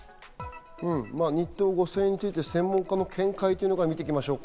日当５０００円について専門家の見解から見ていきましょう。